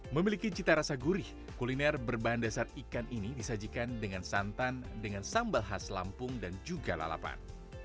memiliki cita rasa gurih kuliner berbahan dasar ikan ini disajikan dengan santan dengan sambal khas lampung dan juga lalapan